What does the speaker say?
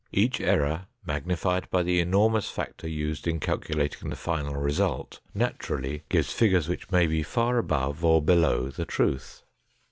Each error magnified by the enormous factor used in calculating the final result naturally gives figures which may be far above or below the truth.